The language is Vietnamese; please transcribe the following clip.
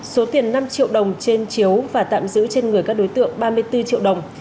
số tiền năm triệu đồng trên chiếu và tạm giữ trên người các đối tượng ba mươi bốn triệu đồng